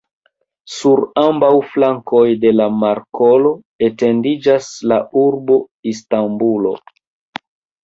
Sur ambaŭ flankoj de la markolo etendiĝas la urbo Istanbulo.